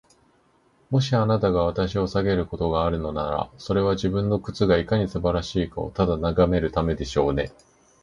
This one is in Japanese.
もし、あなたが頭を下げることがあるのなら、それは、自分の靴がいかに素晴らしいかをただ眺めるためでしょうね。